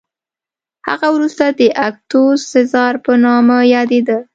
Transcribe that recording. هغه وروسته د اګوستوس سزار په نامه یادېده